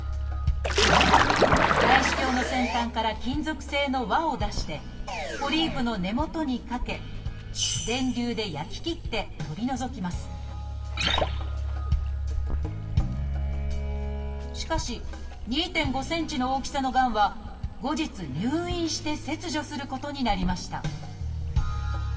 内視鏡の先端から金属製の輪を出してポリープの根元にかけ電流で焼き切って取り除きますしかし２．５ｃｍの大きさのがんは後日入院して切除することになりました